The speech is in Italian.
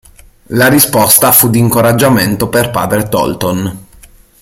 La risposta fu di incoraggiamento per padre Tolton.